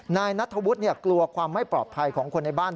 นายนัทธวุฒิกลัวความไม่ปลอดภัยของคนในบ้าน